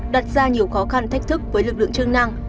đặt ra nhiều khó khăn thách thức với lực lượng chức năng